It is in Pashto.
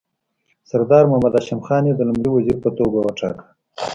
سردار محمد هاشم خان یې د لومړي وزیر په توګه وټاکه.